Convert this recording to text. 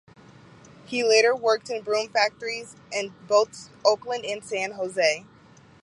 He later worked in broom factories in both Oakland and San Jose.